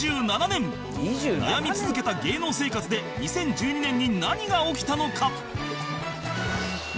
悩み続けた芸能生活で２０１２年に何が起きたのか？